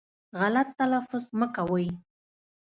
غلط تلفظ مه کوی